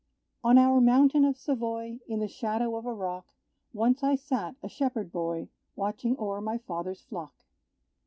On our mountain of Savoy, In the shadow of a rock, Once I sat, a shepherd boy, Watching o'er my father's flock.